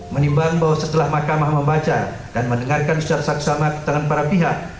menimbang bahwa setelah mahkamah membaca dan mendengarkan suara saksama ketangan para pihak